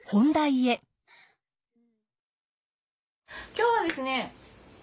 今日はですね